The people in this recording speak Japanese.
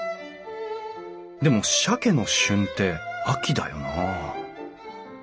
でもしゃけの旬って秋だよな？